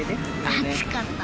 暑かった。